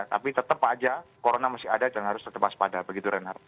tapi tetap aja corona masih ada jangan harus terkepas pada begitu renard